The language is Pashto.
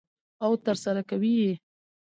او ترسره کوي یې.